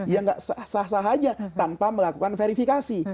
ya nggak sah sah sah aja tanpa melakukan verifikasi